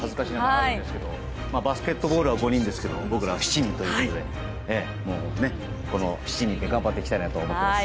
バスケットボールは５人ですけど僕らは７人ということでこの７人で頑張っていきたいなと思ってます。